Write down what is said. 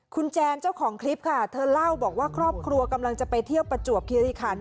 คุณแจนเจ้าของคลิปค่ะเธอเล่าบอกว่าครอบครัวกำลังจะไปเที่ยวประจวบคิริคัน